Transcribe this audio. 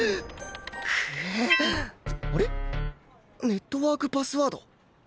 くうあれ？ネットワークパスワード？